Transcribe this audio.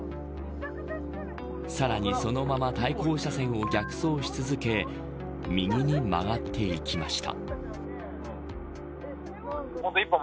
さらにそのまま対向車線を逆走し続け右に曲がっていきました。